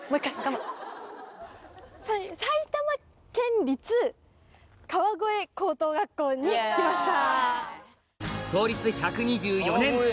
埼玉県立川越高等学校に来ました！